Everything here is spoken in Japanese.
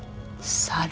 猿。